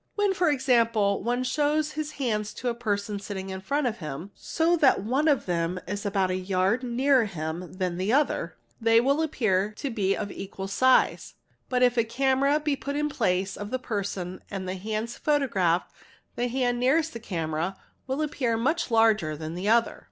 When for example one shows his hands to a person sitting in front of him so that one of them is about a yard nearer him than the other, they will appear to be of equal size; but if a camera be put in place of the person and the hands photographed the hand nearest the camera will appear much larger than the other.